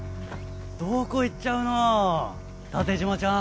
どこ行っちゃうの縦島ちゃん。